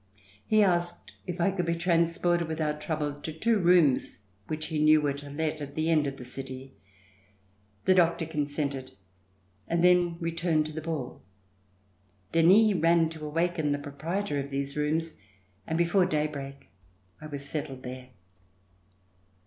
He asked if I could be transported without trouble to two rooms which he knew were to let at the end of the city. The doctor consented and then returned to the ball. Denis ran to awaken the proprietor of these rooms and before daybreak I was settled there.